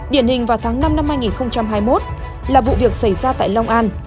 điển hình vào tháng năm năm hai nghìn hai mươi một là vụ việc xảy ra tại long an